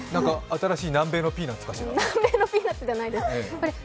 新しい南米のピーナッツかしら？